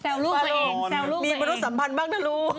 แซวหลูกกัยเอง